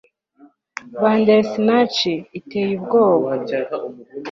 Bandersnatch iteye ubwoba